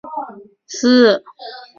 中国现代诗人。